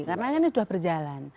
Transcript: karena ini sudah berjalan